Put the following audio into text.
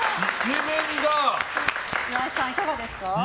岩井さん、いかがですか？